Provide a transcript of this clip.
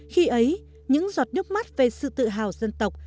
khi ấy những giọt nước mắt về sự tự hào dân tộc